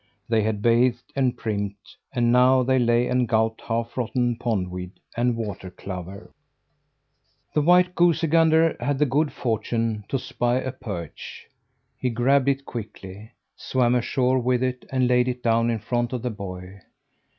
They had bathed and primped, and now they lay and gulped half rotten pond weed and water clover. The white goosey gander had the good fortune to spy a perch. He grabbed it quickly, swam ashore with it, and laid it down in front of the boy.